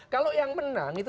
kalau yang menang itu